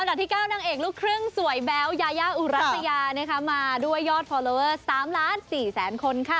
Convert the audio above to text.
อันดับที่๙นางเอกลูกครึ่งสวยแบ๊วยายาอุรัสยามาด้วยยอดฟอร์โลเวอร์๓๔๐๐๐๐๐คนค่ะ